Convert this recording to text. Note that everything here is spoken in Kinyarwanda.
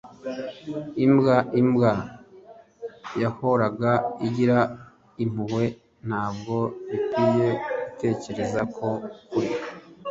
imbwa. imbwa yahoraga igira impuhwe. ntabwo bikwiye gutekereza ko kuri